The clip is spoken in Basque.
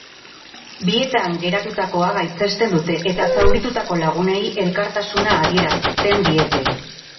Bietan geratutakoa gaitzesten dute eta zauritutako lagunei elkartasuna adierazpen diete.